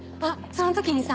その時にさ